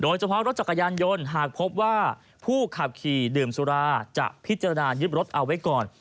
โดยเฉพาะรถจักรยานยนต์หากพบว่าผู้ขับขี่ดื่มสุราจะพิจารณายึดรถเอาไว้ก่อน